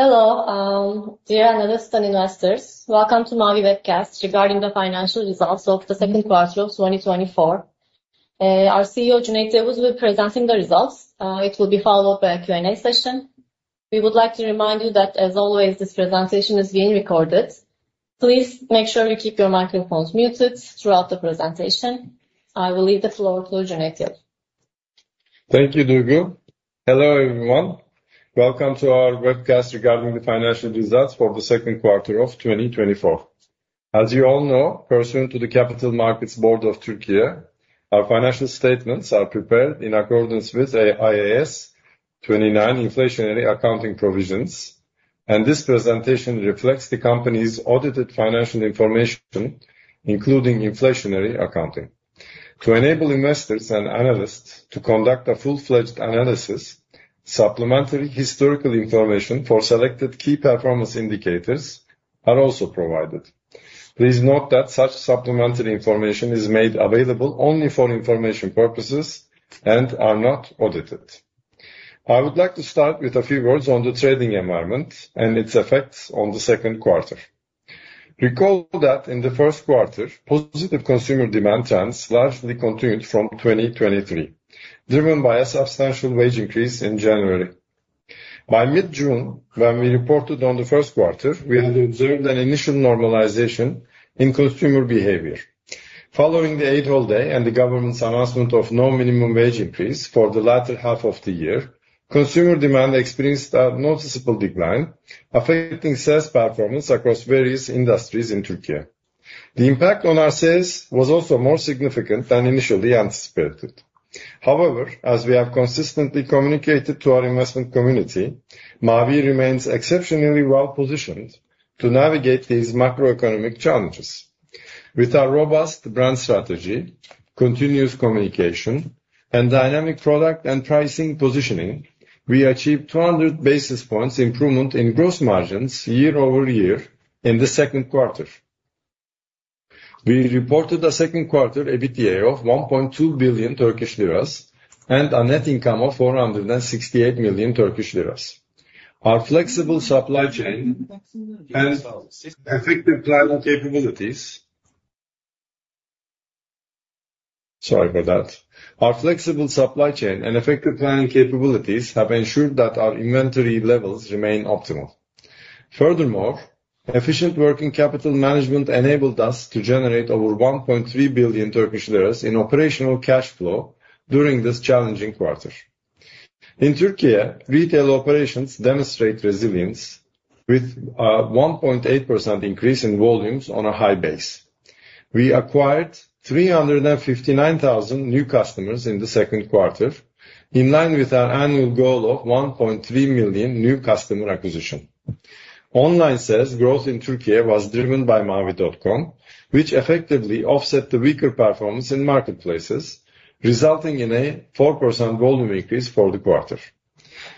Hello, dear analysts and investors. Welcome to Mavi webcast regarding the financial results of the Q2 of 2024. Our CEO, Cüneyt Yavuz, will be presenting the results. It will be followed up by a Q&A session. We would like to remind you that, as always, this presentation is being recorded. Please make sure you keep your microphones muted throughout the presentation. I will leave the floor to Cüneyt Yavuz. Thank you, Duygu. Hello, everyone. Welcome to our webcast regarding the financial results for the Q2 of 2024. As you all know, pursuant to the Capital Markets Board of Turkey, our financial statements are prepared in accordance with IAS 29 Inflationary Accounting Provisions, and this presentation reflects the company's audited financial information, including inflationary accounting. To enable investors and analysts to conduct a full-fledged analysis, supplementary historical information for selected key performance indicators are also provided. Please note that such supplementary information is made available only for information purposes and are not audited. I would like to start with a few words on the trading environment and its effects on the Q2. Recall that in the Q1, positive consumer demand trends largely continued from twenty twenty-three, driven by a substantial wage increase in January. By mid-June, when we reported on the Q1, we had observed an initial normalization in consumer behavior. Following the Eid holiday and the government's announcement of no minimum wage increase for the latter half of the year, consumer demand experienced a noticeable decline, affecting sales performance across various industries in Turkey. The impact on our sales was also more significant than initially anticipated. However, as we have consistently communicated to our investment community, Mavi remains exceptionally well positioned to navigate these macroeconomic challenges. With our robust brand strategy, continuous communication, and dynamic product and pricing positioning, we achieved 200 basis points improvement in gross margins year over year in the Q2. We reported a Q2 EBITDA of 1.2 billion Turkish lira, and a net income of 468 million Turkish lira. Our flexible supply chain and effective planning capabilities. Sorry for that. Our flexible supply chain and effective planning capabilities have ensured that our inventory levels remain optimal. Furthermore, efficient working capital management enabled us to generate over 1.3 billion Turkish lira in operational cash flow during this challenging quarter. In Turkey, retail operations demonstrate resilience with a 1.8% increase in volumes on a high base. We acquired 359,000 new customers in the Q2, in line with our annual goal of 1.3 million new customer acquisition. Online sales growth in Turkey was driven by mavi.com, which effectively offset the weaker performance in marketplaces, resulting in a 4% volume increase for the quarter.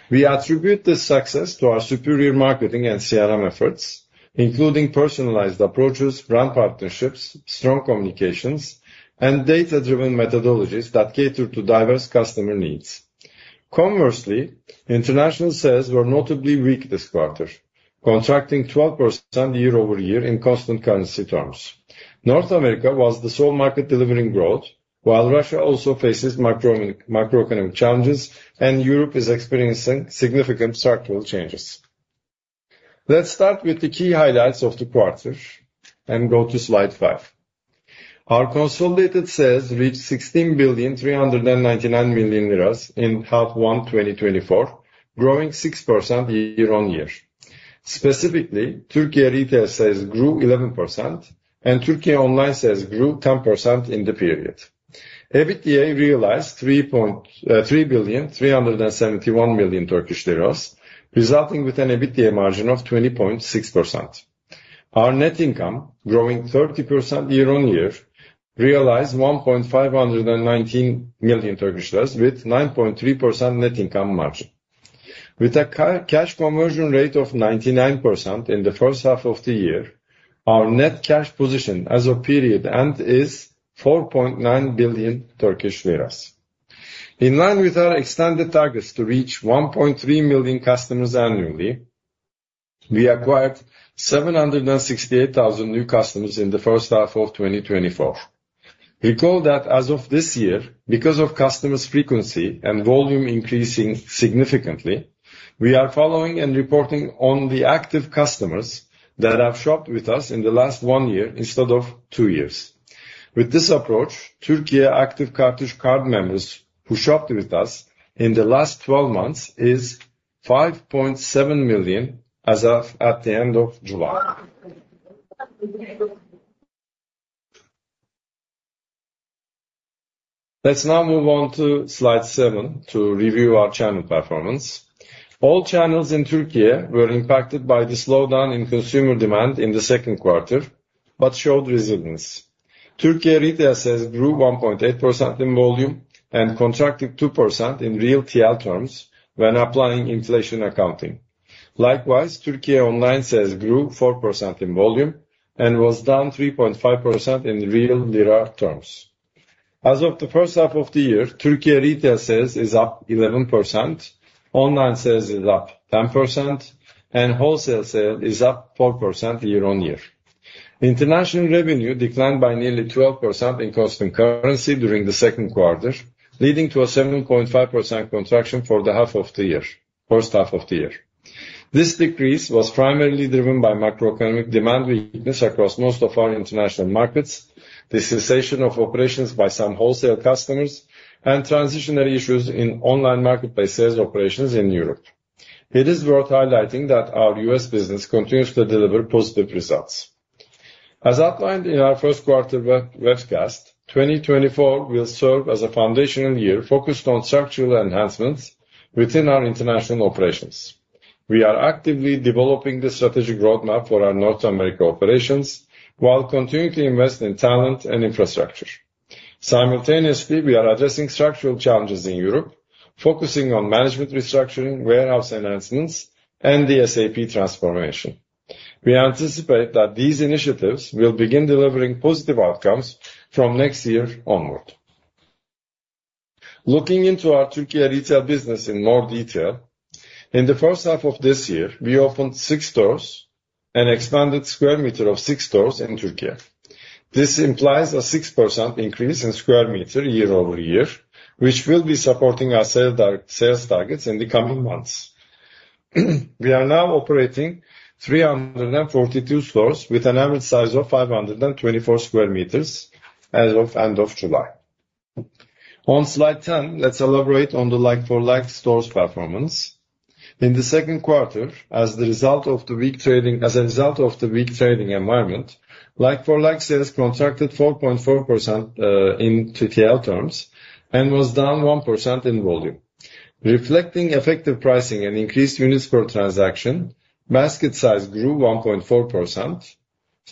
We attribute this success to our superior marketing and CRM efforts, including personalized approaches, brand partnerships, strong communications, and data-driven methodologies that cater to diverse customer needs. Conversely, international sales were notably weak this quarter, contracting 12% year over year in constant currency terms. North America was the sole market delivering growth, while Russia also faces macroeconomic challenges, and Europe is experiencing significant structural changes. Let's start with the key highlights of the quarter and go to slide five. Our consolidated sales reached 16 billion, 359 million in H1 2024, growing 6% year on year. Specifically, Turkey retail sales grew 11%, and Turkey online sales grew 10% in the period. EBITDA realized 3 billion, 371 million Turkish lira, resulting with an EBITDA margin of 20.6%. Our net income, growing 30% year on year, realized 1 billion, TRY 519 million, with 9.3% net income margin. With a cash conversion rate of 99% in the H1 of the year, our net cash position as of period end is 4.9 billion Turkish lira. In line with our extended targets to reach 1.3 million customers annually, we acquired 768,000 new customers in the H1 of 2024. Recall that as of this year, because of customers' frequency and volume increasing significantly, we are following and reporting on the active customers that have shopped with us in the last one year instead of two years. With this approach, Turkey active Kartuş card members who shopped with us in the last twelve months is 5.7 million as of the end of July. Let's now move on to slide seven to review our channel performance. All channels in Turkey were impacted by the slowdown in consumer demand in the Q2, but showed resilience. Turkey retail sales grew 1.8% in volume and contracted 2% in real TL terms when applying inflation accounting. Likewise, Turkey online sales grew 4% in volume and was down 3.5% in real lira terms. As of the H1 of the year, Turkey retail sales is up 11%, online sales is up 10%, and wholesale sale is up 4% year on year. International revenue declined by nearly 12% in constant currency during the Q2, leading to a 7.5% contraction for the half of the year, H1 of the year. This decrease was primarily driven by macroeconomic demand weakness across most of our international markets, the cessation of operations by some wholesale customers, and transitional issues in online marketplace sales operations in Europe. It is worth highlighting that our US business continues to deliver positive results. As outlined in our Q1 webcast, 2024 will serve as a foundational year focused on structural enhancements within our international operations. We are actively developing the strategic roadmap for our North America operations, while continuing to invest in talent and infrastructure. Simultaneously, we are addressing structural challenges in Europe, focusing on management restructuring, warehouse enhancements, and the SAP transformation. We anticipate that these initiatives will begin delivering positive outcomes from next year onward. Looking into our Turkey retail business in more detail, in the H1 of this year, we opened six stores and expanded square meters of six stores in Turkey. This implies a 6% increase in square meters year over year, which will be supporting our sales targets in the coming months. We are now operating 342 stores, with an average size of 524 square meters as of end of July. On slide ten, let's elaborate on the like-for-like stores performance. In the Q2, as a result of the weak trading environment, like-for-like sales contracted 4.4%, in TL terms, and was down 1% in volume. Reflecting effective pricing and increased units per transaction, basket size grew 1.4%,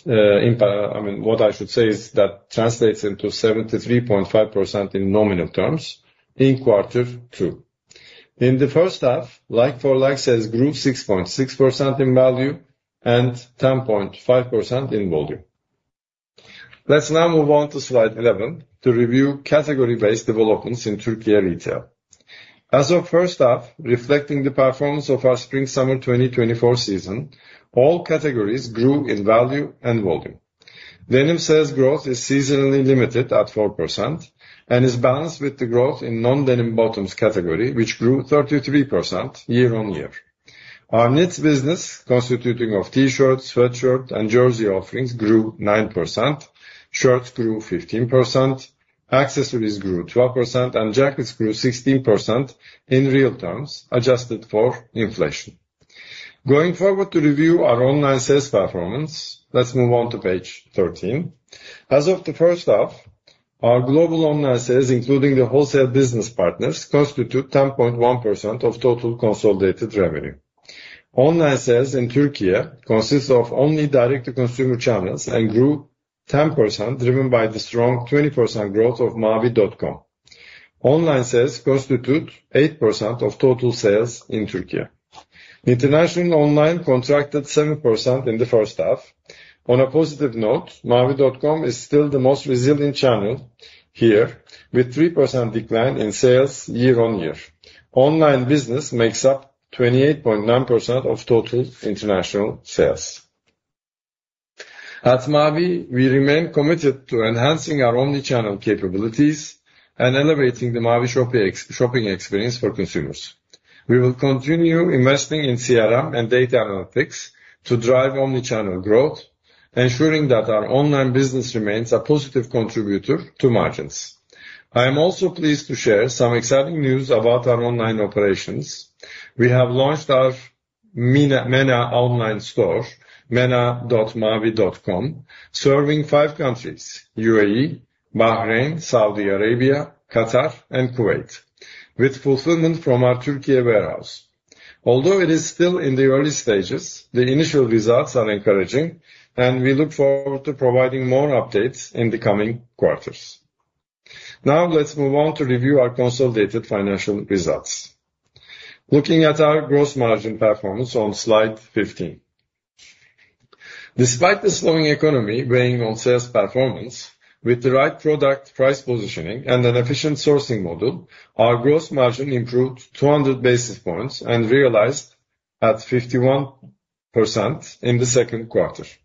I mean, what I should say is that translates into 73.5% in nominal terms in quarter two. In the H1, like-for-like sales grew 6.6% in value and 10.5% in volume. Let's now move on to slide 11 to review category-based developments in Turkey retail. As of H1, reflecting the performance of our spring/summer 2024 season, all categories grew in value and volume. Denim sales growth is seasonally limited at 4% and is balanced with the growth in non-denim bottoms category, which grew 33% year on year. Our knits business, constituting of T-shirts, sweatshirt, and jersey offerings, grew 9%, shirts grew 15%, accessories grew 12%, and jackets grew 16% in real terms, adjusted for inflation. Going forward to review our online sales performance, let's move on to page 13. As of the H1, our global online sales, including the wholesale business partners, constitute 10.1% of total consolidated revenue. Online sales in Turkey consists of only direct-to-consumer channels and grew 10%, driven by the strong 20% growth of mavi.com. Online sales constitute 8% of total sales in Turkey. International online contracted 7% in the H1. On a positive note, mavi.com is still the most resilient channel here, with 3% decline in sales year on year. Online business makes up 28.9% of total international sales. At Mavi, we remain committed to enhancing our omnichannel capabilities and elevating the Mavi shopping experience for consumers. We will continue investing in CRM and data analytics to drive omnichannel growth, ensuring that our online business remains a positive contributor to margins. I am also pleased to share some exciting news about our online operations. We have launched our MENA, MENA online store, mena.mavi.com, serving five countries, UAE, Bahrain, Saudi Arabia, Qatar, and Kuwait, with fulfillment from our Turkey warehouse. Although it is still in the early stages, the initial results are encouraging, and we look forward to providing more updates in the coming quarters. Now, let's move on to review our consolidated financial results. Looking at our gross margin performance on slide 15. Despite the slowing economy weighing on sales performance, with the right product, price positioning, and an efficient sourcing model, our gross margin improved 200 basis points and realized at 51% in the Q2.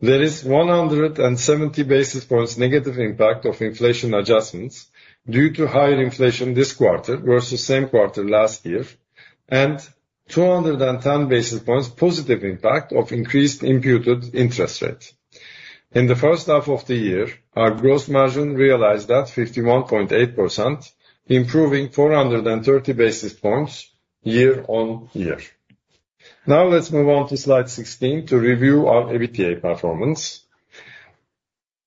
There is 170 basis points negative impact of inflation adjustments due to higher inflation this quarter versus same quarter last year, and 210 basis points positive impact of increased imputed interest rate. In the H1 of the year, our gross margin realized that 51.8%, improving 430 basis points year on year. Now, let's move on to slide 16 to review our EBITDA performance.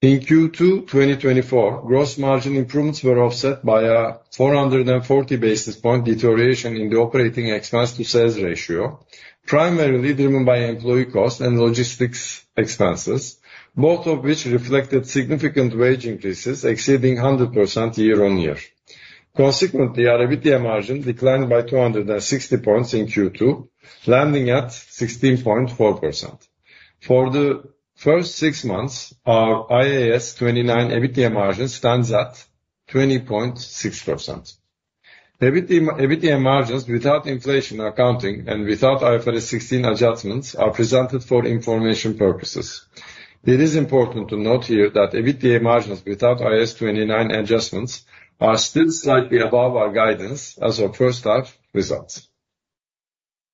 In Q2 2024, gross margin improvements were offset by a 440 basis point deterioration in the operating expense to sales ratio, primarily driven by employee costs and logistics expenses, both of which reflected significant wage increases exceeding 100% year on year. Consequently, our EBITDA margin declined by 260 points in Q2, landing at 16.4%. For the first 6 months, our IAS 29 EBITDA margin stands at 20.6%. The EBITDA, EBITDA margins without inflation accounting and without IFRS 16 adjustments are presented for information purposes. It is important to note here that EBITDA margins without IAS 29 adjustments are still slightly above our guidance as of H1 results.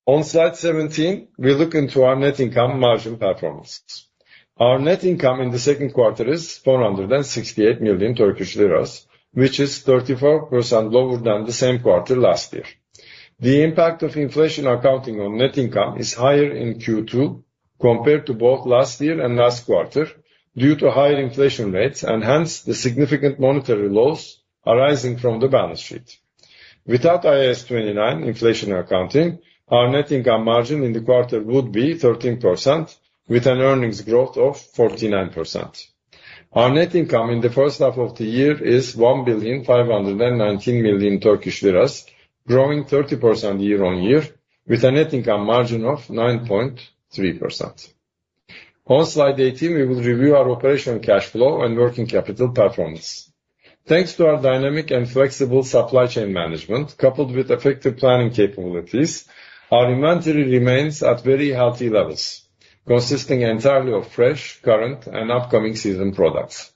On slide 17, we look into our net income margin performances. Our net income in the Q2 is 468 million Turkish lira, which is 34% lower than the same quarter last year. The impact of inflation accounting on net income is higher in Q2 compared to both last year and last quarter, due to higher inflation rates, and hence, the significant monetary loss arising from the balance sheet. Without IAS 29 inflation accounting, our net income margin in the quarter would be 13%, with an earnings growth of 49%. Our net income in the H1 of the year is 1.519 billion, growing 30% year on year, with a net income margin of 9.3%. On Slide 18, we will review our operational cash flow and working capital performance. Thanks to our dynamic and flexible supply chain management, coupled with effective planning capabilities, our inventory remains at very healthy levels, consisting entirely of fresh, current, and upcoming season products.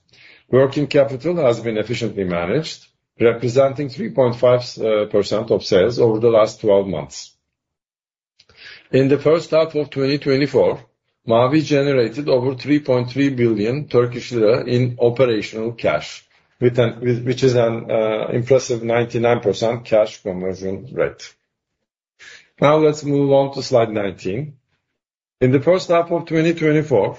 Working capital has been efficiently managed, representing 3.5% of sales over the last 12 months. In the H1 of 2024, Mavi generated over 3.3 billion Turkish lira in operational cash, with which is an impressive 99% cash conversion rate. Now, let's move on to slide 19. In the H1 of 2024,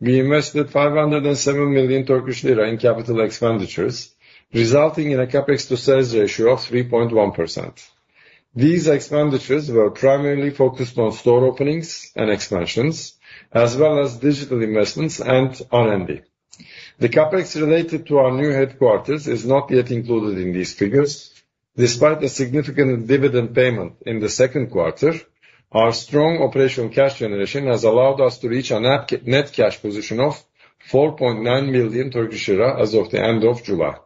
we invested 507 million Turkish lira in capital expenditures, resulting in a CapEx to sales ratio of 3.1%. These expenditures were primarily focused on store openings and expansions, as well as digital investments and R&D. The CapEx related to our new headquarters is not yet included in these figures. Despite a significant dividend payment in the Q2, our strong operational cash generation has allowed us to reach a net cash position of 4.9 million Turkish lira as of the end of July.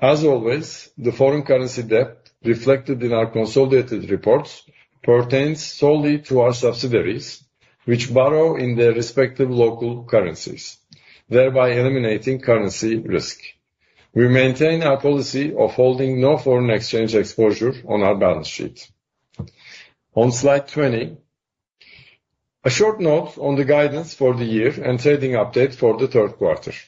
As always, the foreign currency debt reflected in our consolidated reports pertains solely to our subsidiaries, which borrow in their respective local currencies, thereby eliminating currency risk. We maintain our policy of holding no foreign exchange exposure on our balance sheet. On slide 20, a short note on the guidance for the year and trading update for the Q3.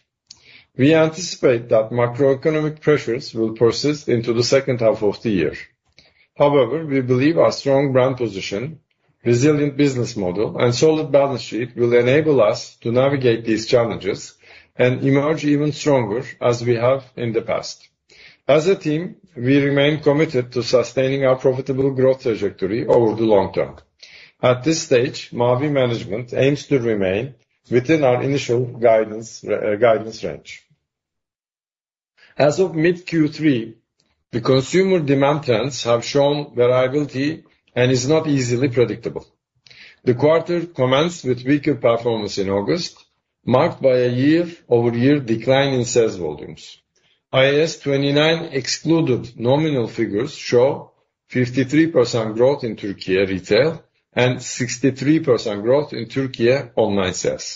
We anticipate that macroeconomic pressures will persist into the second half of the year. However, we believe our strong brand position, resilient business model, and solid balance sheet will enable us to navigate these challenges and emerge even stronger as we have in the past. As a team, we remain committed to sustaining our profitable growth trajectory over the long term. At this stage, Mavi management aims to remain within our initial guidance range. As of mid Q3, the consumer demand trends have shown variability and is not easily predictable. The quarter commenced with weaker performance in August, marked by a year-over-year decline in sales volumes. IAS 29 excluded nominal figures show 53% growth in Turkey retail and 63% growth in Turkey online sales.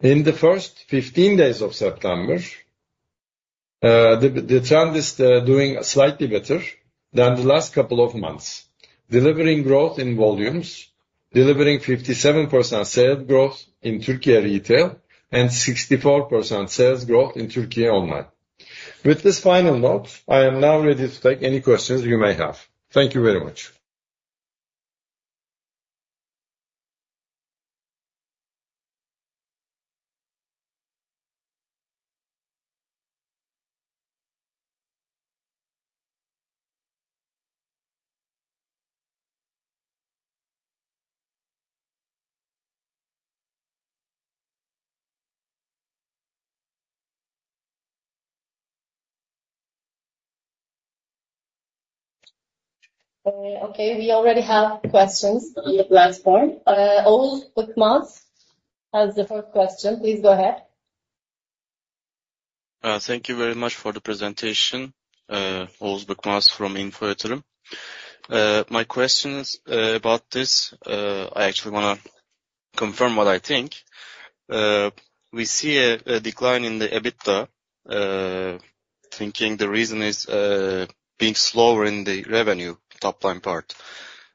In the first 15 days of September, the trend is doing slightly better than the last couple of months, delivering growth in volumes, delivering 57% sales growth in Turkey retail, and 64% sales growth in Turkey online. With this final note, I am now ready to take any questions you may have. Thank you very much. Okay, we already have questions on the platform. Oğuzhan Bıkmaz has the first question. Please go ahead. Thank you very much for the presentation. Oğuzhan Bıkmaz from Info Yatırım. My question is about this. I actually want to confirm what I think. We see a decline in the EBITDA, thinking the reason is being slower in the revenue, top line part.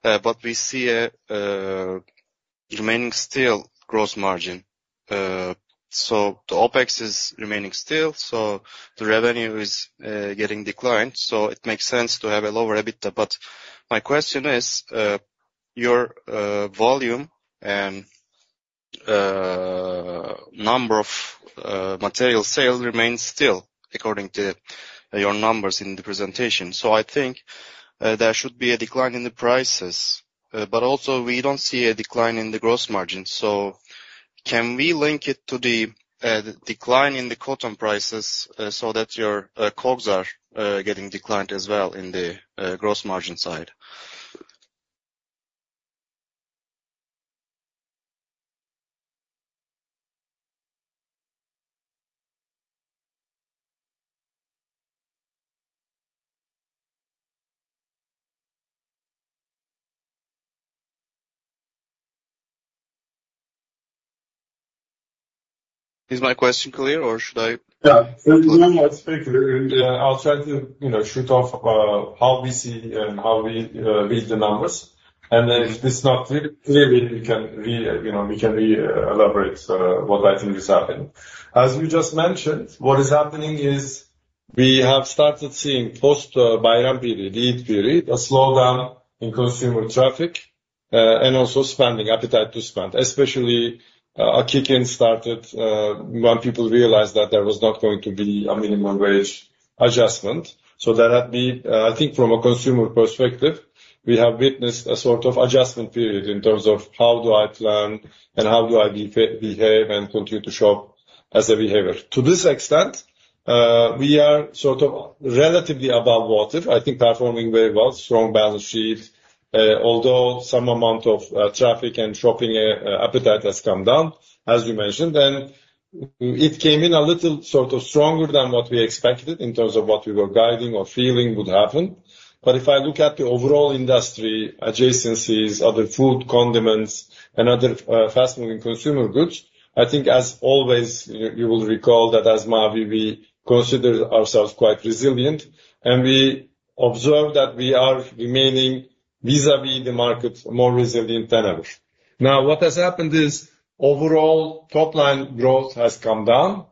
But we see a remaining still gross margin. So the OpEx is remaining still, so the revenue is getting declined, so it makes sense to have a lower EBITDA. But my question is your volume and number of material sales remains still according to your numbers in the presentation. So I think- ... there should be a decline in the prices, but also we don't see a decline in the gross margin. So can we link it to the decline in the cotton prices, so that your costs are getting declined as well in the gross margin side? Is my question clear or should I- Yeah. Thank you very much. And I'll try to, you know, shoot off how we see and how we read the numbers. And then if it's not clear, we can re-elaborate what I think is happening. As you just mentioned, what is happening is we have started seeing post-Bayram period, lead period, a slowdown in consumer traffic and also spending, appetite to spend. Especially, a kick in started when people realized that there was not going to be a minimum wage adjustment. So that had been. I think from a consumer perspective, we have witnessed a sort of adjustment period in terms of how do I plan and how do I behave and continue to shop as a behavior. To this extent, we are sort of relatively above water. I think performing very well, strong balance sheet, although some amount of traffic and shopping appetite has come down, as you mentioned. Then it came in a little sort of stronger than what we expected in terms of what we were guiding or feeling would happen. But if I look at the overall industry, adjacencies, other food, condiments, and other fast moving consumer goods, I think as always, you will recall that as Mavi, we consider ourselves quite resilient, and we observe that we are remaining vis-à-vis the market, more resilient than ever. Now, what has happened is, overall, top line growth has come down,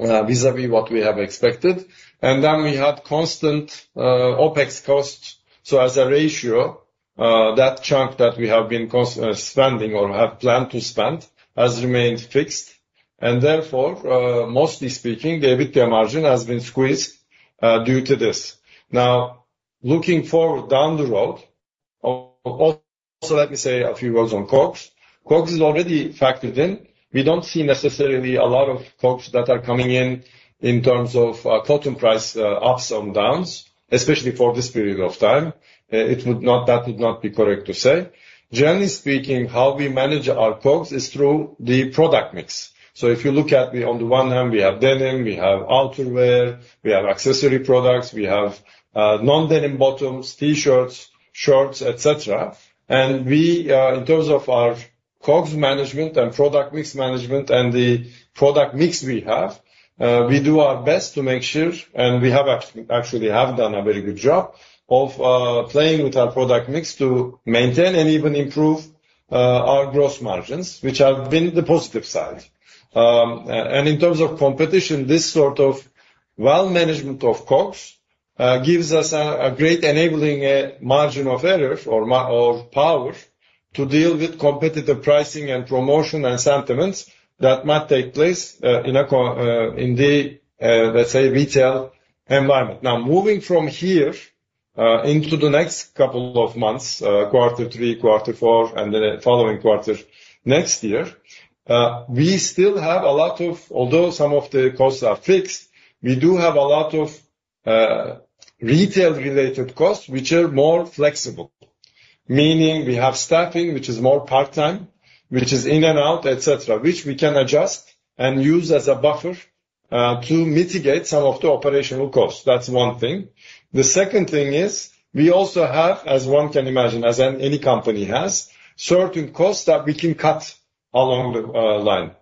vis-à-vis what we have expected, and then we had constant OpEx costs. So as a ratio, that chunk that we have been spending or have planned to spend has remained fixed, and therefore, mostly speaking, the EBITDA margin has been squeezed, due to this. Now, looking forward down the road, also let me say a few words on COGS. COGS is already factored in. We don't see necessarily a lot of COGS that are coming in, in terms of cotton price ups and downs, especially for this period of time. That would not be correct to say. Generally speaking, how we manage our costs is through the product mix. So if you look at the. On the one hand, we have denim, we have outerwear, we have accessory products, we have non-denim bottoms, T-shirts, shorts, et cetera. And we, in terms of our COGS management and product mix management, and the product mix we have, we do our best to make sure, and we have actually have done a very good job of playing with our product mix to maintain and even improve our gross margins, which have been the positive side. And in terms of competition, this sort of well management of COGS gives us a great enabling margin of error or power to deal with competitive pricing and promotion and sentiments that might take place in the, let's say, retail environment. Now, moving from here, into the next couple of months, quarter three, quarter four, and then the following quarter next year, we still have a lot of... Although some of the costs are fixed, we do have a lot of retail-related costs which are more flexible. Meaning we have staffing, which is more part-time, which is in and out, et cetera, which we can adjust and use as a buffer to mitigate some of the operational costs. That's one thing. The second thing is, we also have, as one can imagine, as any company has, certain costs that we can cut along the line.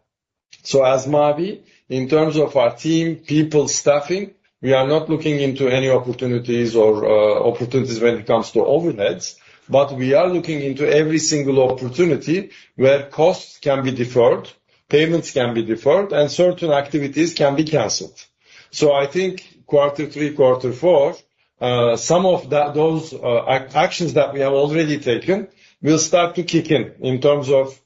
So as Mavi, in terms of our team, people staffing, we are not looking into any opportunities when it comes to overheads, but we are looking into every single opportunity where costs can be deferred, payments can be deferred, and certain activities can be canceled. I think quarter three, quarter four, some of those actions that we have already taken will start to kick in, in terms of,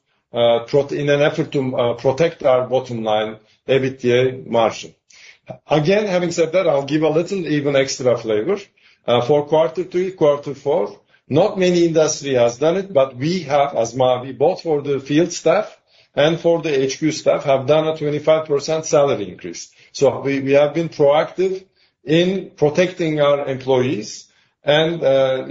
in an effort to protect our bottom line, EBITDA margin. Again, having said that, I'll give a little even extra flavor. For quarter three, quarter four, not many industry has done it, but we have, as Mavi, both for the field staff and for the HQ staff, have done a 25% salary increase. So we have been proactive in protecting our employees and,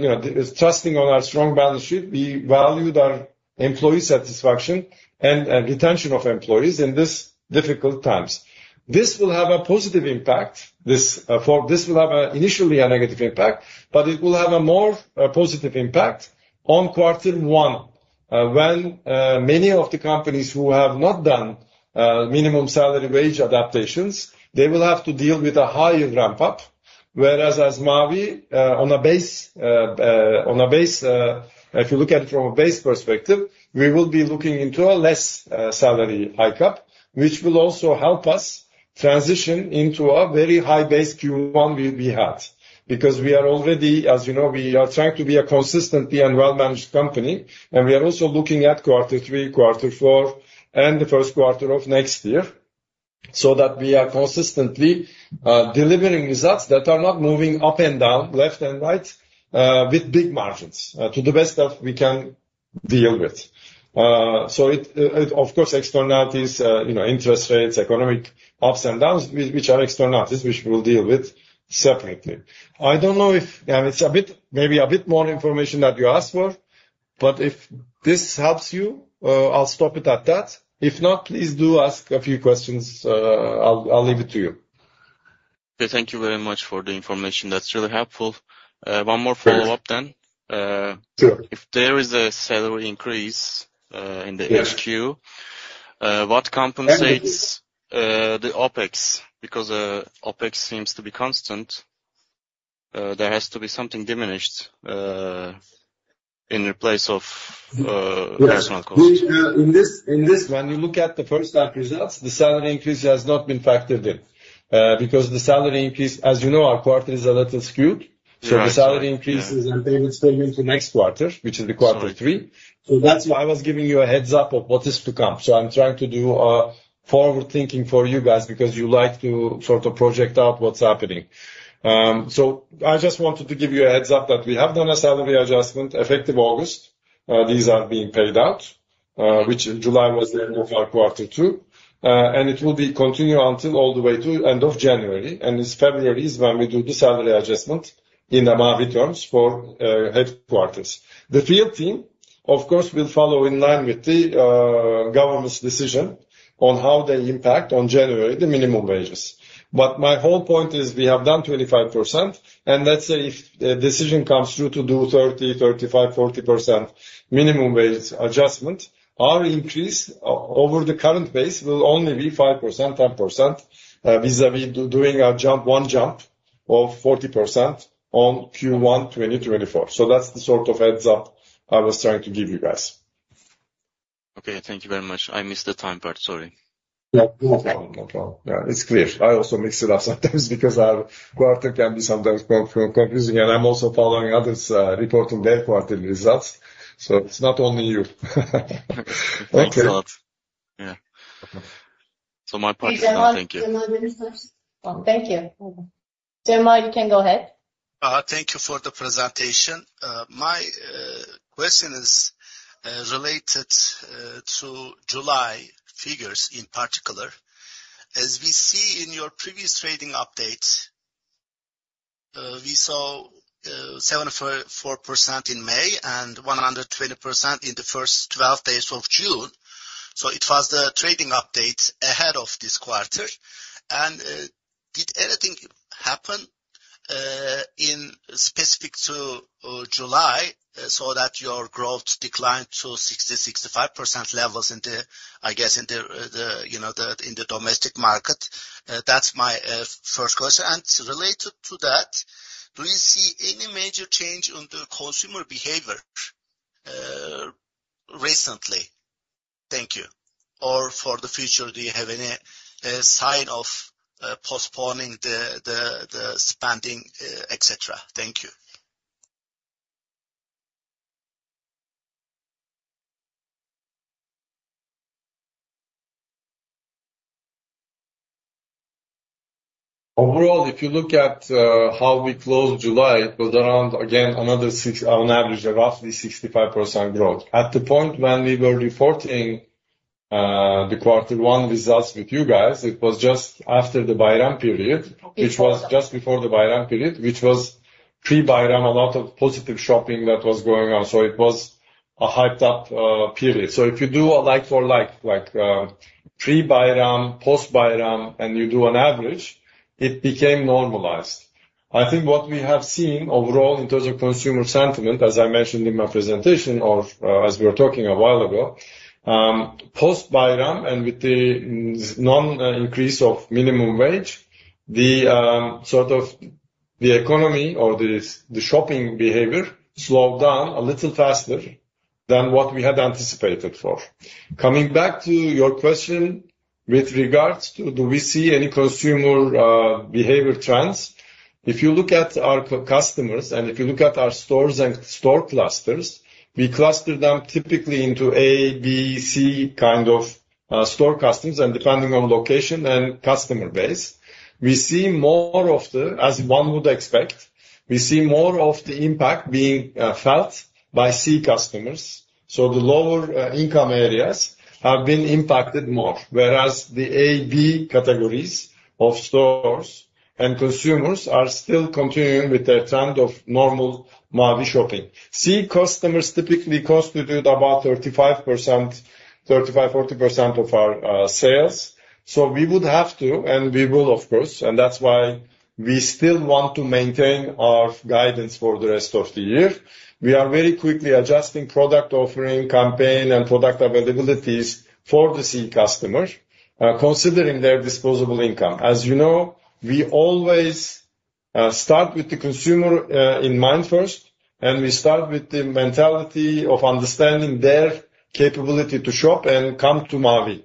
you know, trusting on our strong balance sheet, we valued our employee satisfaction and retention of employees in this difficult times. This will have a positive impact. This will have a initially a negative impact, but it will have a more positive impact on quarter one, when many of the companies who have not done minimum salary wage adaptations, they will have to deal with a higher ramp up. Whereas as Mavi, on a base, if you look at it from a base perspective, we will be looking into a less salary hike up, which will also help us transition into a very high base Q1 we had. Because we are already, as you know, we are trying to be a consistently and well-managed company, and we are also looking at Q3, Q4, and the Q1 of next year. So that we are consistently delivering results that are not moving up and down, left and right, with big margins, to the best that we can deal with. So it, of course, externalities, you know, interest rates, economic ups and downs, which are externalities, which we'll deal with separately. I don't know if and it's a bit, maybe a bit more information than you asked for, but if this helps you, I'll stop it at that. If not, please do ask a few questions. I'll leave it to you. Thank you very much for the information. That's really helpful. One more follow-up then. Sure. If there is a salary increase in the HQ- Yeah. What compensates the OpEx? Because OpEx seems to be constant. There has to be something diminished in place of personnel cost. In this, when you look at the H1 results, the salary increase has not been factored in. Because the salary increase, as you know, our quarter is a little skewed. Yeah. So the salary increases and payments pay into next quarter, which is the quarter three. Sorry. So that's why I was giving you a heads-up of what is to come. So I'm trying to do a forward thinking for you guys because you like to sort of project out what's happening. So I just wanted to give you a heads-up that we have done a salary adjustment, effective August. These are being paid out, which July was the end of our quarter two. And it will continue until all the way to end of January, and it's February is when we do the salary adjustment in the Mavi terms for headquarters. The field team, of course, will follow in line with the government's decision on how they impact on January, the minimum wages. But my whole point is we have done 25%, and let's say if a decision comes through to do 30%, 35%, 40% minimum wage adjustment, our increase over the current base will only be 5%, 10%, vis-a-vis doing a jump, one jump of 40% on Q1 2024. So that's the sort of heads-up I was trying to give you guys. Okay, thank you very much. I missed the time part. Sorry. Yeah. No problem. No problem. Yeah, it's clear. I also mix it up sometimes because our quarter can be sometimes confusing, and I'm also following others reporting their quarter results. So it's not only you. Thank you. Thanks a lot. Yeah. So my part... Thank you. Thank you. Cemal, you can go ahead. Thank you for the presentation. My question is related to July figures in particular. As we see in your previous trading update, we saw 74% in May and 120% in the first 12 days of June, so it was the trading update ahead of this quarter. Did anything happen in specific to July so that your growth declined to 60-65% levels in the, I guess, you know, domestic market? That's my first question. And related to that, do you see any major change on the consumer behavior recently? Thank you. Or for the future, do you have any sign of postponing the spending et cetera? Thank you. Overall, if you look at how we closed July, it was around again, another six, on average, roughly 65% growth. At the point when we were reporting the quarter one results with you guys, it was just after the Bayram period- Before. - which was just before the Bayram period, which was pre-Bayram, a lot of positive shopping that was going on. So it was a hyped up period. So if you do a like for like pre-Bayram, post-Bayram, and you do on average, it became normalized. I think what we have seen overall in terms of consumer sentiment, as I mentioned in my presentation or as we were talking a while ago, post-Bayram, and with the sudden increase of minimum wage, the sort of the economy or the shopping behavior slowed down a little faster than what we had anticipated for. Coming back to your question with regards to, do we see any consumer behavior trends? If you look at our customers, and if you look at our stores and store clusters, we cluster them typically into A, B, C kind of store customers, and depending on location and customer base. We see more of the impact. As one would expect, we see more of the impact being felt by C customers, so the lower income areas have been impacted more, whereas the A/B categories of stores and consumers are still continuing with their trend of normal Mavi shopping. C customers typically constitute about 35%, 35-40% of our sales. So we would have to, and we will, of course, and that's why we still want to maintain our guidance for the rest of the year. We are very quickly adjusting product offering, campaign, and product availabilities for the C customer, considering their disposable income. As you know, we always start with the consumer in mind first, and we start with the mentality of understanding their capability to shop and come to Mavi,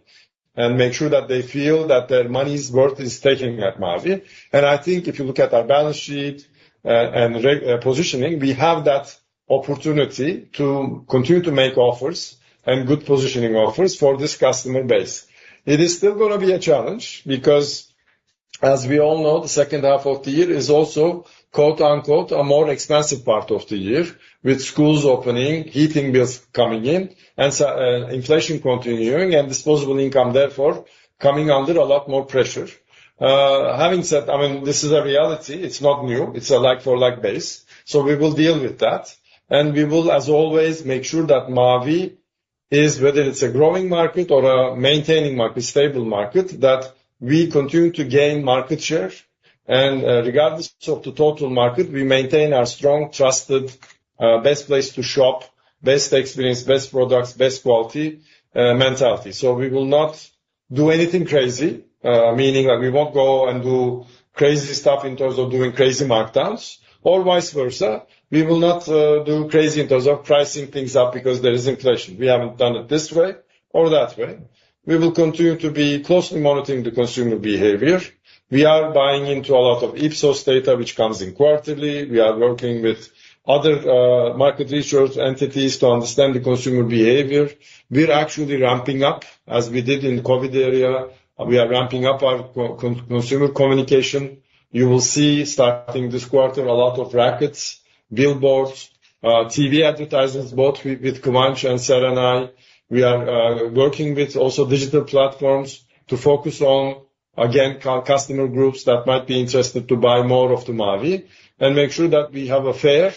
and make sure that they feel that their money's worth is taking at Mavi. And I think if you look at our balance sheet and repositioning, we have that opportunity to continue to make offers and good positioning offers for this customer base. It is still gonna be a challenge because. As we all know, the second half of the year is also, quote-unquote, "a more expensive part of the year," with schools opening, heating bills coming in, and so, inflation continuing, and disposable income, therefore, coming under a lot more pressure. Having said, I mean, this is a reality. It's not new. It's a like for like base, so we will deal with that. And we will, as always, make sure that Mavi is, whether it's a growing market or a maintaining market, stable market, that we continue to gain market share. And, regardless of the total market, we maintain our strong, trusted, best place to shop, best experience, best products, best quality, mentality. So we will not do anything crazy, meaning that we won't go and do crazy stuff in terms of doing crazy markdowns or vice versa. We will not do crazy in terms of pricing things up because there is inflation. We haven't done it this way or that way. We will continue to be closely monitoring the consumer behavior. We are buying into a lot of Ipsos data, which comes in quarterly. We are working with other, market research entities to understand the consumer behavior. We're actually ramping up, as we did in COVID era. We are ramping up our consumer communication. You will see, starting this quarter, a lot of rackets, billboards, TV advertisements, both with Kıvanç and Serenay. We are working with also digital platforms to focus on, again, customer groups that might be interested to buy more of the Mavi, and make sure that we have a fair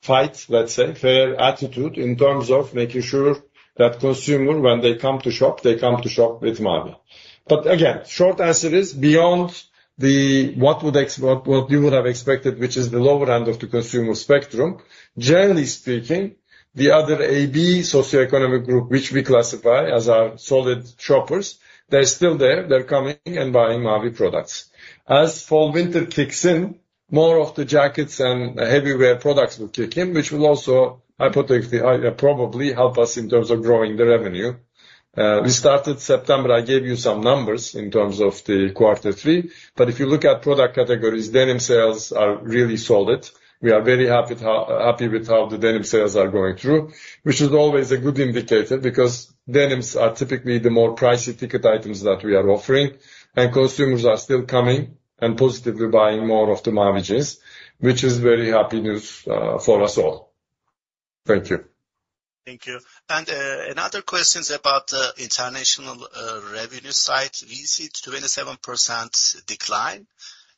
fight, let's say, fair attitude in terms of making sure that consumer, when they come to shop, they come to shop with Mavi. But again, short answer is, beyond what you would have expected, which is the lower end of the consumer spectrum, generally speaking, the other AB socioeconomic group, which we classify as our solid shoppers, they're still there. They're coming and buying Mavi products. As fall/winter kicks in, more of the jackets and heavywear products will kick in, which will also, hypothetically, probably help us in terms of growing the revenue. We started September. I gave you some numbers in terms of the quarter three, but if you look at product categories, denim sales are really solid. We are very happy with how the denim sales are going through, which is always a good indicator, because denims are typically the more pricey ticket items that we are offering, and consumers are still coming and positively buying more of the Mavies, which is very happy news for us all. Thank you. Thank you. And, another question is about the international revenue side. We see 27% decline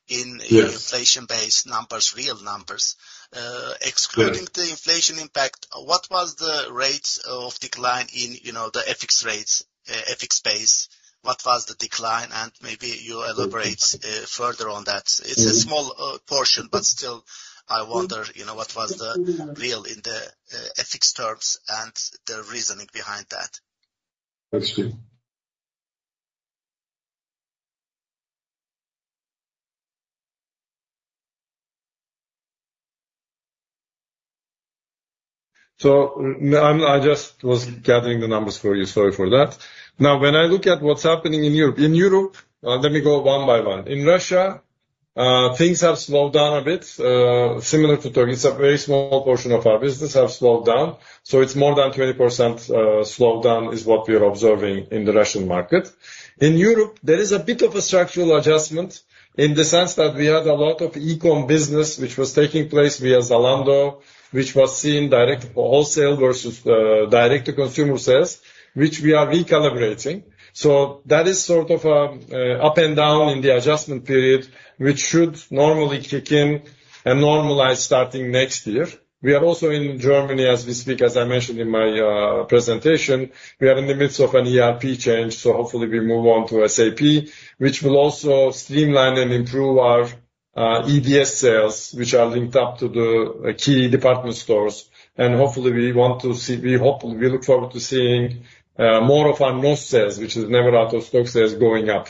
in- Yes. inflation-based numbers, real numbers. Right. Excluding the inflation impact, what was the rate of decline in, you know, the FX rates, FX base? What was the decline? And maybe you elaborate further on that. Mm. It's a small portion, but still, I wonder, you know, what was the real in the FX terms and the reasoning behind that? That's good. So, I just was gathering the numbers for you. Sorry for that. Now, when I look at what's happening in Europe. In Europe, let me go one by one. In Russia, things have slowed down a bit, similar to Turkey. It's a very small portion of our business, have slowed down, so it's more than 20%, slowdown is what we are observing in the Russian market. In Europe, there is a bit of a structural adjustment in the sense that we had a lot of e-com business which was taking place via Zalando, which was seen direct for wholesale versus direct to consumer sales, which we are recalibrating. So that is sort of up and down in the adjustment period, which should normally kick in and normalize starting next year. We are also in Germany as we speak. As I mentioned in my presentation, we are in the midst of an ERP change, so hopefully we move on to SAP, which will also streamline and improve our EDS sales, which are linked up to the key department stores. And hopefully, we want to see, we hope, we look forward to seeing more of our most sales, which is never out of stock sales, going up.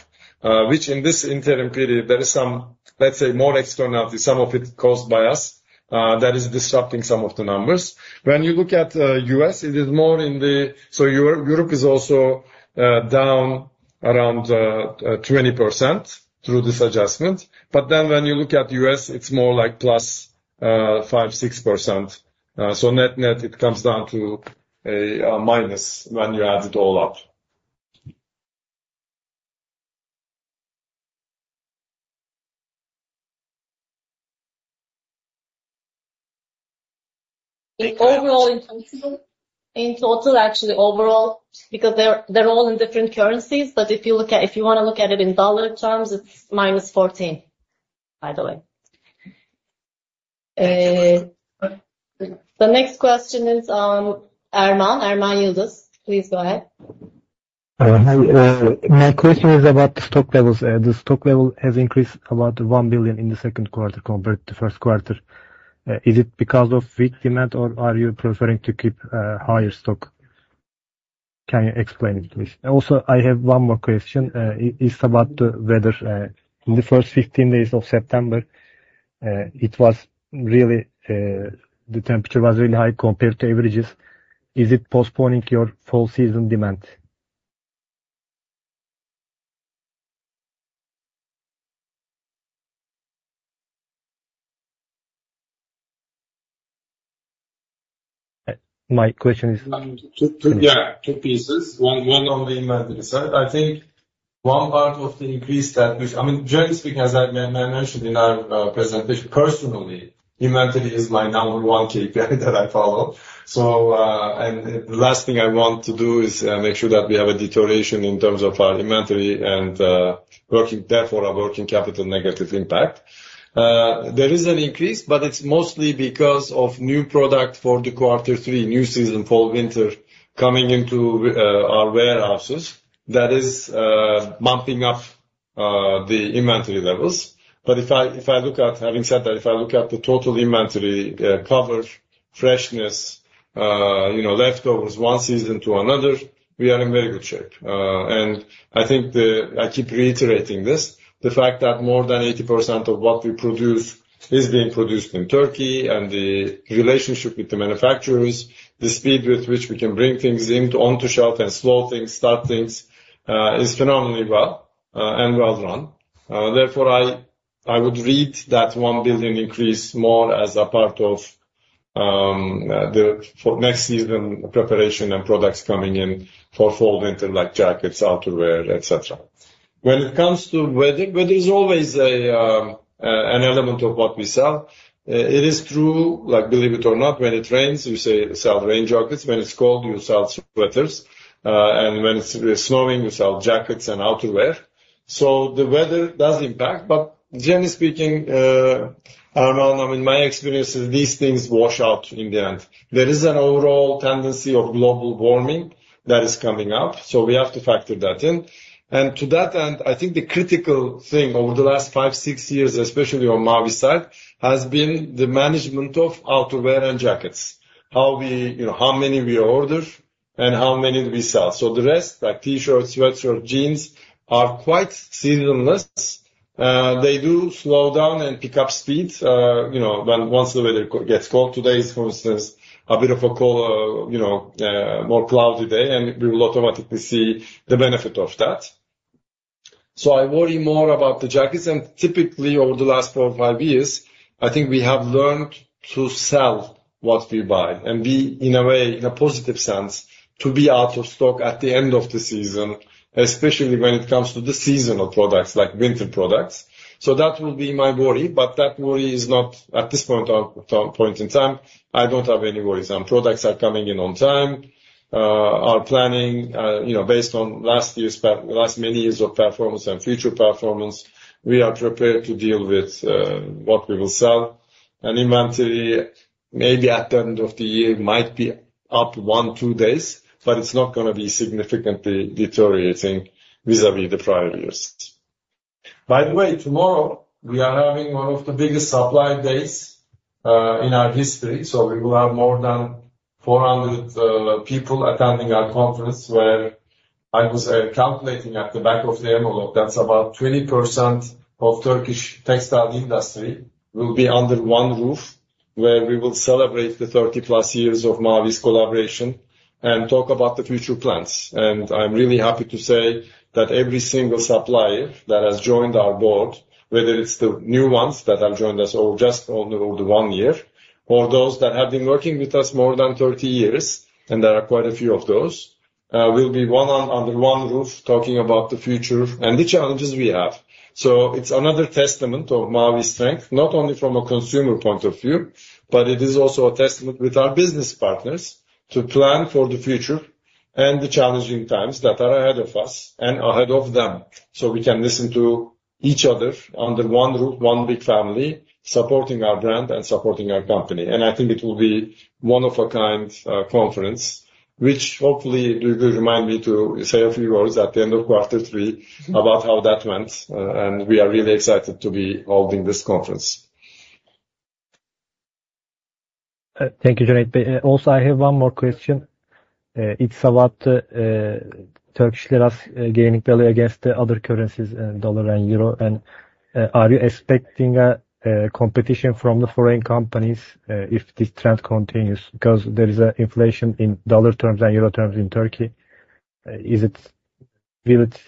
Which in this interim period, there is some, let's say, more externally, some of it caused by us, that is disrupting some of the numbers. When you look at US, it is more in the... So Europe is also down around 20% through this adjustment. But then when you look at US, it's more like plus 5-6%. Net-net, it comes down to a minus when you add it all up. In overall, in total? In total, actually, overall, because they're all in different currencies, but if you look at - if you wanna look at it in dollar terms, it's minus 14, by the way. The next question is, Arman Yıldız. Please go ahead. Hi. My question is about the stock levels. The stock level has increased about 1 billion in the Q2 compared to Q1. Is it because of weak demand or are you preferring to keep higher stock? Can you explain it, please? And also, I have one more question. It's about the weather in the first fifteen days of September. The temperature was really high compared to averages. Is it postponing your fall season demand? ... My question is- Two pieces. One on the inventory side. I think one part of the increase. I mean, generally speaking, as I mentioned in our presentation, personally, inventory is my number one KPI that I follow. So, and the last thing I want to do is make sure that we have a deterioration in terms of our inventory and working therefore, a working capital negative impact. There is an increase, but it's mostly because of new product for quarter three, new season, fall, winter, coming into our warehouses. That is bumping up the inventory levels. But if I look at. Having said that, if I look at the total inventory cover, freshness, you know, leftovers, one season to another, we are in very good shape. I think the... I keep reiterating this, the fact that more than 80% of what we produce is being produced in Turkey, and the relationship with the manufacturers, the speed with which we can bring things into, onto shelf and slow things, start things, is phenomenally well, and well run. Therefore, I would read that 1 billion increase more as a part of for next season preparation and products coming in for fall, winter, like jackets, outerwear, et cetera. When it comes to weather, weather is always an element of what we sell. It is true, like, believe it or not, when it rains, we say, sell rain jackets. When it's cold, you sell sweaters. And when it's snowing, you sell jackets and outerwear. So the weather does impact, but generally speaking, I don't know, I mean, my experience is these things wash out in the end. There is an overall tendency of global warming that is coming up, so we have to factor that in. And to that end, I think the critical thing over the last five, six years, especially on Mavi side, has been the management of outerwear and jackets. How we, you know, how many we order and how many we sell. So the rest, like T-shirts, sweatshirt, jeans, are quite seasonless. They do slow down and pick up speed, you know, when the weather gets cold. Today, for instance, a bit of a cold, you know, more cloudy day, and we will automatically see the benefit of that. I worry more about the jackets, and typically, over the last four or five years, I think we have learned to sell what we buy and be, in a way, in a positive sense, to be out of stock at the end of the season, especially when it comes to the seasonal products, like winter products. That will be my worry, but that worry is not at this point in time. I don't have any worries. Products are coming in on time. Our planning, you know, based on last year's performance and last many years of performance and future performance, we are prepared to deal with what we will sell. Inventory, maybe at the end of the year, might be up one, two days, but it's not gonna be significantly deteriorating vis-a-vis the prior years. By the way, tomorrow, we are having one of the biggest supply days in our history. So we will have more than 400 people attending our conference, where I was calculating at the back of the envelope, that's about 20% of Turkish textile industry will be under one roof, where we will celebrate the 30+ years of Mavi's collaboration and talk about the future plans, and I'm really happy to say that every single supplier that has joined our board, whether it's the new ones that have joined us or just only over 1 year, or those that have been working with us more than 30 years, and there are quite a few of those, will be under one roof, talking about the future and the challenges we have. So it's another testament of Mavi's strength, not only from a consumer point of view, but it is also a testament with our business partners to plan for the future and the challenging times that are ahead of us and ahead of them. So we can listen to each other under one roof, one big family, supporting our brand and supporting our company. And I think it will be one of a kind, conference, which hopefully you will remind me to say a few words at the end of quarter three about how that went. And we are really excited to be holding this conference. Thank you, Cüneyt. Also, I have one more question. It's about the TRY gaining value against the other currencies, dollar and euro, and are you expecting a competition from the foreign companies if this trend continues? Because there is a inflation in dollar terms and euro terms in Turkey. Will it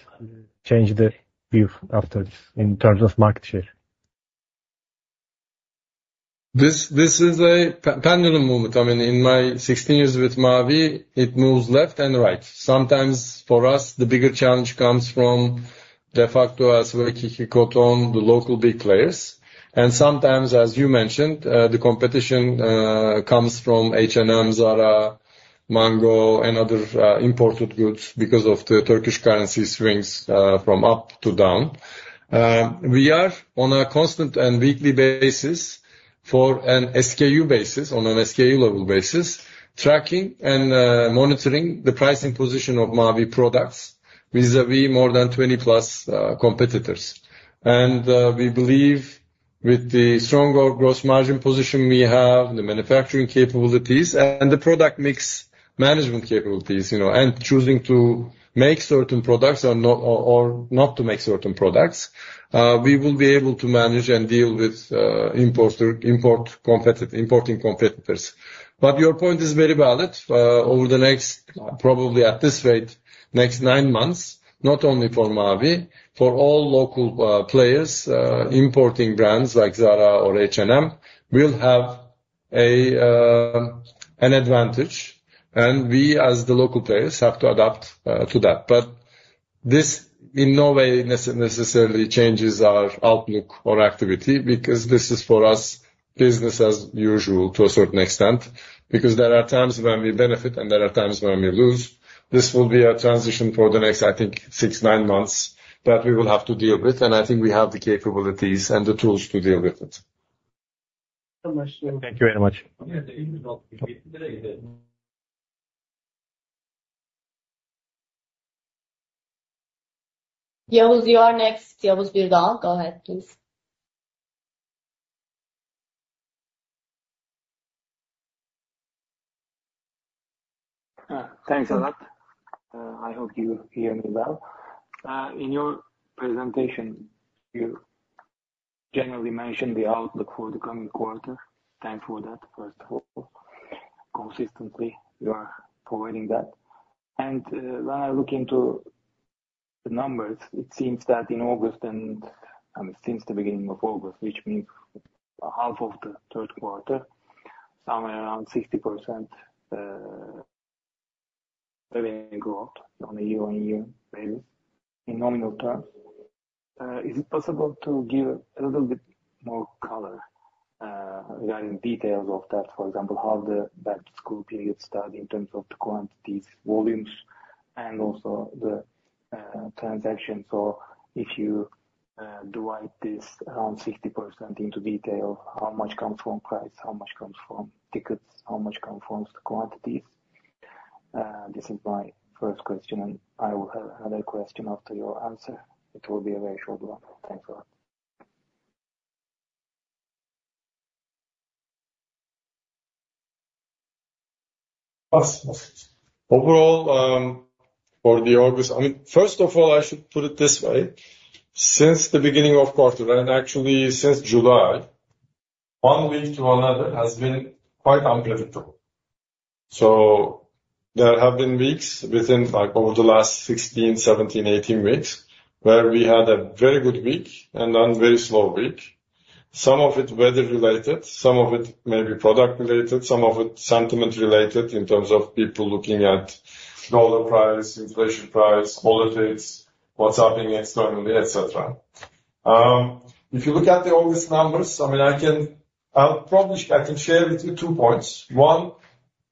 change the view after this, in terms of market share? This is a pendulum movement. I mean, in my 16 years with Mavi, it moves left and right. Sometimes for us, the bigger challenge comes from LC Waikiki, Koton, the local big players. And sometimes, as you mentioned, the competition comes from H&M, Zara, Mango, and other imported goods because of the Turkish currency swings from up to down. We are on a constant and weekly basis for an SKU basis, on an SKU level basis, tracking and monitoring the pricing position of Mavi products vis-a-vis more than 20 plus competitors. We believe with the stronger gross margin position we have, the manufacturing capabilities and the product mix management capabilities, you know, and choosing to make certain products or not, or not to make certain products, we will be able to manage and deal with import competitive importing competitors. But your point is very valid. Over the next, probably at this rate, next nine months, not only for Mavi, for all local players, importing brands like Zara or H&M, will have an advantage, and we, as the local players, have to adapt to that. But this in no way necessarily changes our outlook or activity, because this is for us, business as usual to a certain extent, because there are times when we benefit and there are times when we lose. This will be a transition for the next, I think, six, nine months, that we will have to deal with, and I think we have the capabilities and the tools to deal with it. Thank you so much. Thank you very much. Yavuz Bigal, go ahead, please. Thanks a lot. I hope you hear me well. In your presentation, you generally mentioned the outlook for the coming quarter. Thanks for that, first of all. Consistently, you are providing that. And, when I look into the numbers, it seems that in August and, I mean, since the beginning of August, which means half of the Q3, somewhere around 60%, revenue growth on a year-on-year basis in nominal terms. Is it possible to give a little bit more color regarding details of that? For example, how the back-to-school period started in terms of the quantities, volumes, and also the transaction. So if you divide this around 60% into detail, how much comes from price, how much comes from tickets, how much comes from the quantities? This is my first question, and I will have another question after your answer. It will be a very short one. Thanks a lot. Overall, for the August. I mean, first of all, I should put it this way. Since the beginning of quarter, and actually since July, one week to another has been quite unpredictable. So there have been weeks within, like, over the last 16, 17, 18 weeks, where we had a very good week and then very slow week. Some of it weather related, some of it may be product related, some of it sentiment related in terms of people looking at dollar price, inflation price, politics, what's happening externally, et cetera. If you look at the August numbers, I mean, I can. I'll probably, I can share with you two points. One,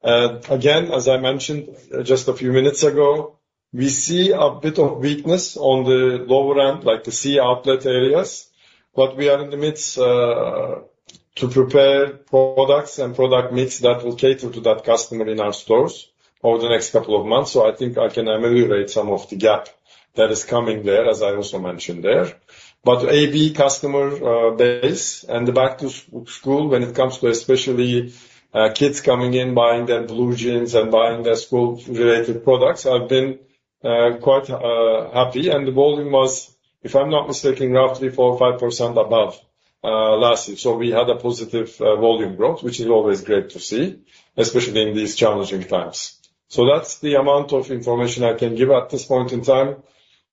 again, as I mentioned just a few minutes ago, we see a bit of weakness on the lower end, like the C outlet areas, but we are in the midst to prepare products and product mix that will cater to that customer in our stores over the next couple of months, so I think I can ameliorate some of the gap that is coming there, as I also mentioned there, but AB customer base and the back to school, when it comes to especially kids coming in, buying their blue jeans and buying their school-related products, I've been quite happy, and the volume was, if I'm not mistaken, roughly 4 or 5% above last year, so we had a positive volume growth, which is always great to see, especially in these challenging times. So that's the amount of information I can give at this point in time.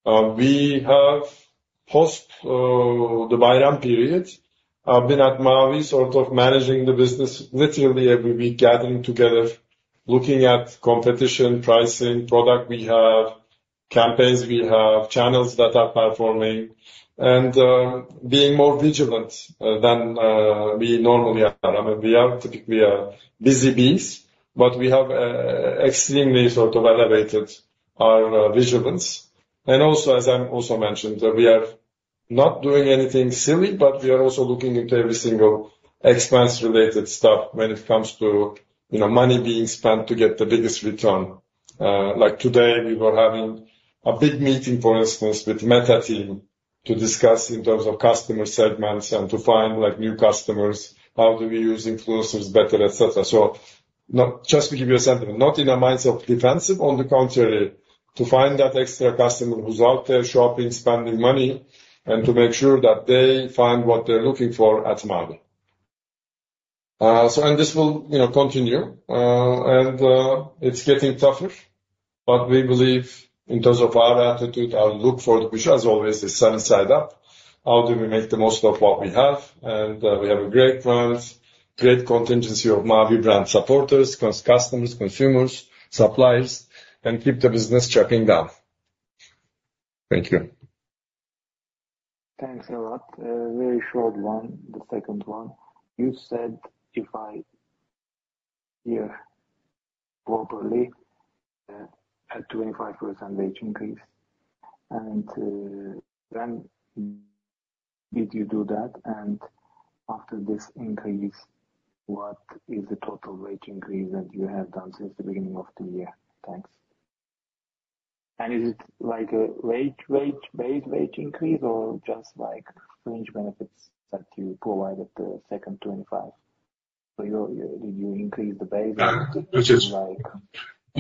We have post the Bayram period, I've been at Mavi, sort of, managing the business, literally, every week, gathering together, looking at competition, pricing, product we have, campaigns we have, channels that are performing, and being more vigilant than we normally are. I mean, we are typically busy bees, but we have extremely, sort of, elevated our vigilance. And also, as I also mentioned, we are not doing anything silly, but we are also looking into every single expense-related stuff when it comes to, you know, money being spent to get the biggest return. Like today, we were having a big meeting, for instance, with Meta team, to discuss in terms of customer segments and to find, like, new customers, how do we use influencers better, et cetera. Just to give you a sentiment, not in a mindset of defensive, on the contrary, to find that extra customer who's out there shopping, spending money, and to make sure that they find what they're looking for at Mavi. This will, you know, continue, and it's getting tougher, but we believe in terms of our attitude, our outlook, which as always, is sunny side up. How do we make the most of what we have? We have a great brand, great constituency of Mavi brand supporters, customers, consumers, suppliers, and keep the business chugging on. Thank you. Thanks a lot. Very short one, the second one. You said, if I hear properly, a 25% increase, and when did you do that? And after this increase, what is the total wage increase that you have done since the beginning of the year? Thanks. And is it like a base wage increase or just like fringe benefits that you provided the second 25%? Did you increase the base- which is- -like?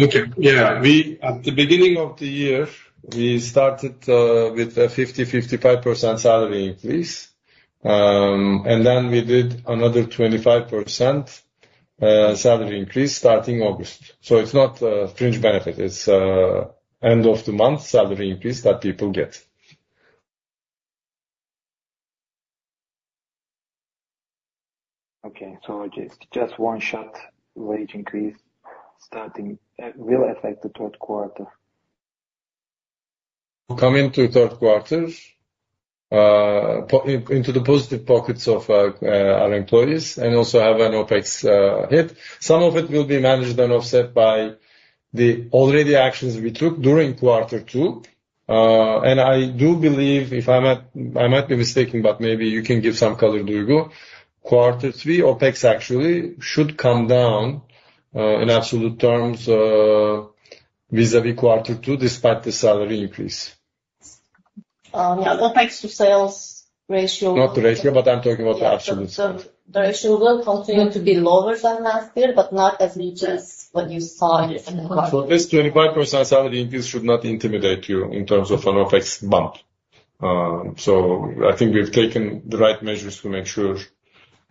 Okay. Yeah. We, at the beginning of the year, we started with a 55% salary increase. And then we did another 25% salary increase starting August. So it's not a fringe benefit, it's an end of the month salary increase that people get.... apologies, just one shot wage increase starting will affect the Q3? Coming into Q3, into the positive pockets of our employees and also have an OpEx hit. Some of it will be managed and offset by the already actions we took during quarter two. And I do believe, if I'm not mistaken, but maybe you can give some color, Duygu. Quarter three, OpEx actually should come down, in absolute terms, vis-a-vis quarter two, despite the salary increase. Yeah, the taxes to sales ratio- Not the ratio, but I'm talking about the absolute. Yeah. So the ratio will continue to be lower than last year, but not as much as what you saw in the quarter. So this 25% salary increase should not intimidate you in terms of an OpEx bump. So I think we've taken the right measures to make sure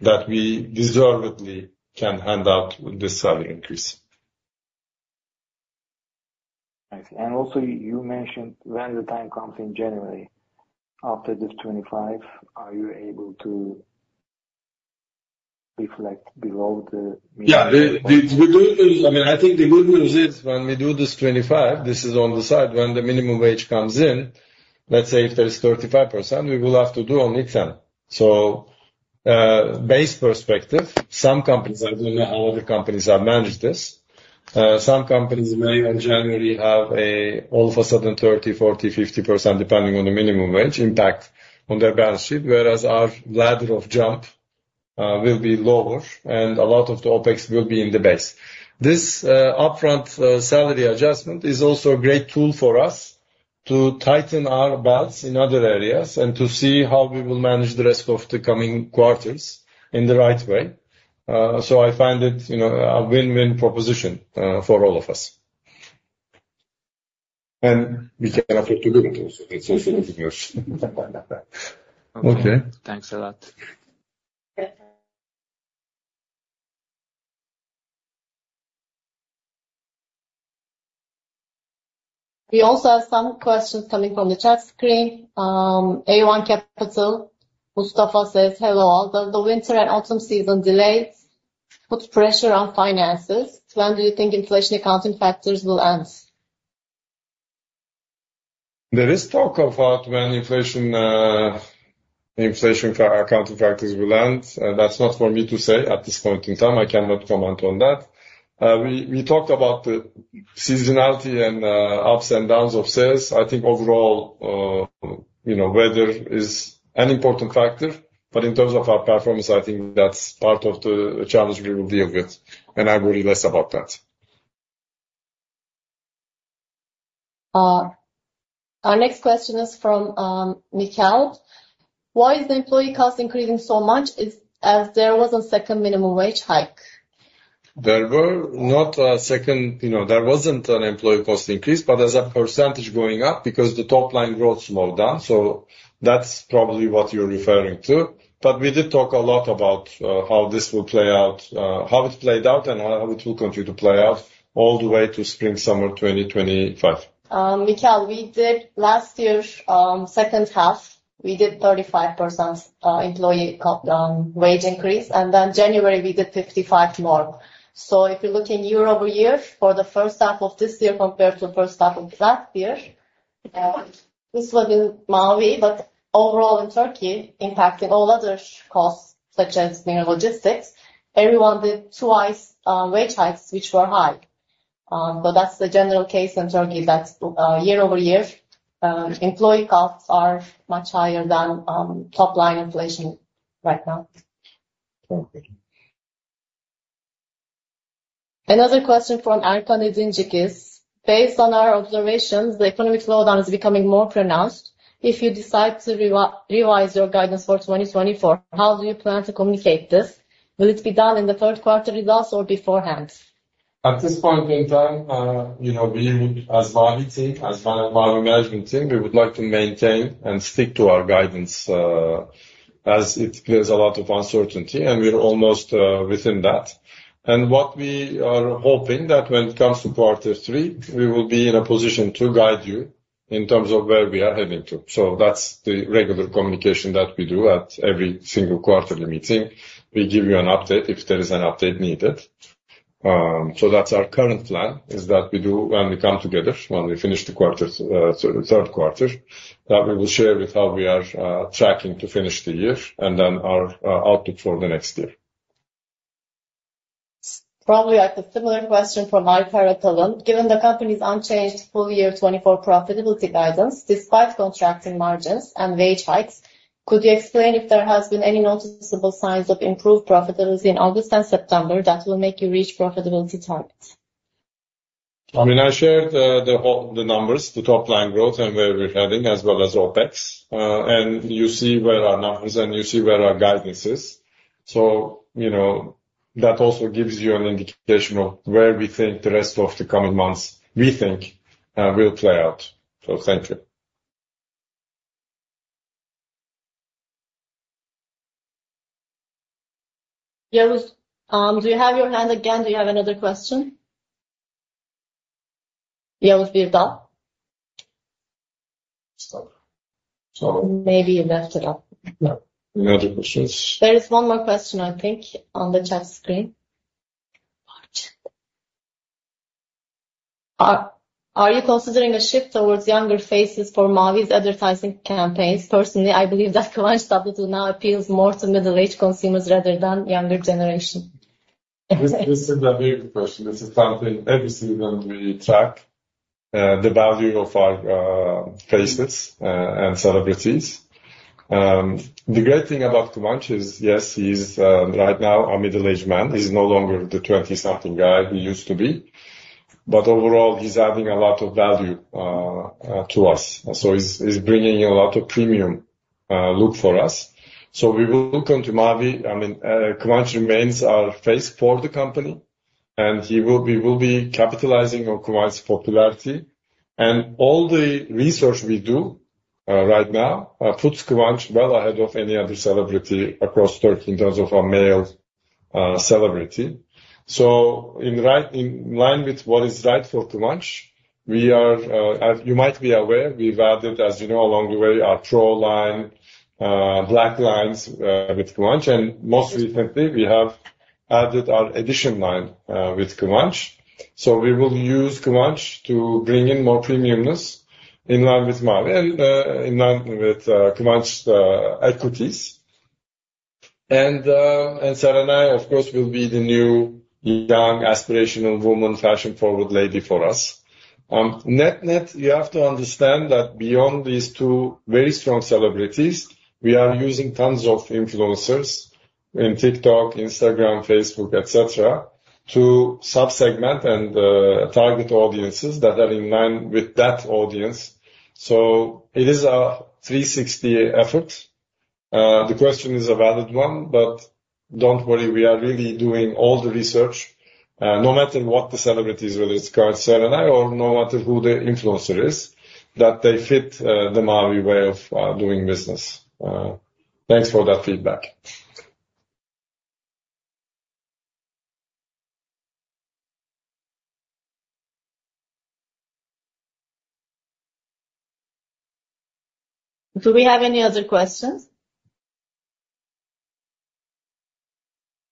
that we deservedly can hand out this salary increase. I see. And also, you mentioned when the time comes in January, after this twenty-five, are you able to reflect below the minimum? Yeah, I mean, I think the good news is when we do this 25, this is on the side. When the minimum wage comes in, let's say if there is 35%, we will have to do only 10. So, base perspective, some companies, I don't know how other companies have managed this. Some companies may, in January, have all of a sudden 30, 40, 50%, depending on the minimum wage impact on their balance sheet. Whereas our labor jump will be lower, and a lot of the OpEx will be in the base. This upfront salary adjustment is also a great tool for us to tighten our belts in other areas and to see how we will manage the rest of the coming quarters in the right way. So I find it, you know, a win-win proposition for all of us. And we can afford to do it also. It's yours. Okay. Thanks a lot. We also have some questions coming from the chat screen. A1 Capital, Mustafa says: Hello, although the winter and autumn season delays put pressure on finances, when do you think inflation accounting factors will end? There is talk about when inflation accounting factors will end, that's not for me to say at this point in time. I cannot comment on that. We talked about the seasonality and, ups and downs of sales. I think overall, you know, weather is an important factor, but in terms of our performance, I think that's part of the challenge we will deal with, and I worry less about that. Our next question is from Mikel. Why is the employee cost increasing so much as there was a second minimum wage hike? You know, there wasn't an employee cost increase, but as a percentage going up because the top-line growth slowed down. So that's probably what you're referring to. But we did talk a lot about how this will play out, how it's played out, and how it will continue to play out all the way to spring, summer twenty twenty-five. Mikel, we did last year, second half, we did 35% employee cost wage increase, and then January, we did 55% more. So if you look year-over-year for the H1 of this year compared to H1 of last year, this was in Mavi, but overall in Turkey, impacting all other costs, such as logistics, everyone did twice wage hikes, which were high. But that's the general case in Turkey. That's year over year, employee costs are much higher than top-line inflation right now. Okay. Another question from Erkan Edincik is: Based on our observations, the economic slowdown is becoming more pronounced. If you decide to revise your guidance for 2024, how do you plan to communicate this? Will it be done in the Q3 results or beforehand? At this point in time, you know, we would, as Mavi team, as my Mavi management team, we would like to maintain and stick to our guidance, as it carries a lot of uncertainty, and we're almost within that. What we are hoping is that when it comes to quarter three, we will be in a position to guide you in terms of where we are heading to. That's the regular communication that we do at every single quarterly meeting. We give you an update if there is an update needed. That's our current plan, is that we do when we come together, when we finish the quarter, so the Q3, that we will share with how we are tracking to finish the year and then our outlook for the next year. Probably, like, a similar question from Ayfer Atalan: Given the company's unchanged full year 2024 profitability guidance, despite contracting margins and wage hikes, could you explain if there has been any noticeable signs of improved profitability in August and September that will make you reach profitability targets? I mean, I shared the whole, the numbers, the top-line growth and where we're heading, as well as OpEx, and you see where our numbers and you see where our guidance is. So, you know, that also gives you an indication of where we think the rest of the coming months, we think, will play out. So thank you. Yavuz, do you have your hand again? Do you have another question?... You left it up? So, maybe you left it out. No. Any other questions? There is one more question, I think, on the chat screen. What? Are you considering a shift towards younger faces for Mavi's advertising campaigns? Personally, I believe that Kıvanç Tatlıtuğ now appeals more to middle-aged consumers rather than younger generation. This is a very good question. This is something every season we track the value of our faces and celebrities. The great thing about Kıvanç is, yes, he's right now a middle-aged man. He's no longer the twenty-something guy he used to be, but overall, he's adding a lot of value to us. So he's bringing a lot of premium look for us. So we will look into Mavi. I mean, Kıvanç remains our face for the company, and he will be... We'll be capitalizing on Kıvanç's popularity, and all the research we do right now puts Kıvanç well ahead of any other celebrity across Turkey in terms of a male celebrity. So, right, in line with what is right for Kıvanç, we are, as you might be aware, we have added, as you know, along the way, our Pro line, Black line, with Kıvanç, and most recently, we have added our Edition line, with Kıvanç. We will use Kıvanç to bring in more premiumness in line with Mavi and, in line with, Kıvanç aesthetics. And Serenay, of course, will be the new, young, aspirational woman, fashion-forward lady for us. Net-net, you have to understand that beyond these two very strong celebrities, we are using tons of influencers in TikTok, Instagram, Facebook, et cetera, to sub-segment and target audiences that are in line with that audience. It is a 360 effort. The question is a valid one, but don't worry, we are really doing all the research, no matter what the celebrity is, whether it's called Serenay or no matter who the influencer is, that they fit, the Mavi way of, doing business. Thanks for that feedback. Do we have any other questions?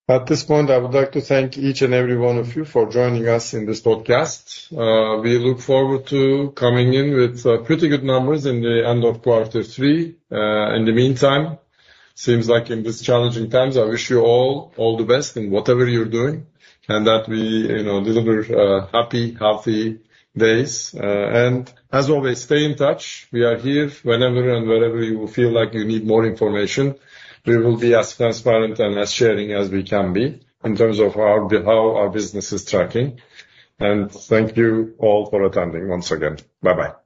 At this point, I would like to thank each and every one of you for joining us in this podcast. We look forward to coming in with pretty good numbers in the end of quarter three. In the meantime, seems like in these challenging times, I wish you all the best in whatever you're doing, and that we, you know, deliver happy, healthy days. And as always, stay in touch. We are here whenever and wherever you feel like you need more information. We will be as transparent and as sharing as we can be in terms of how our business is tracking. And thank you all for attending once again. Bye-bye.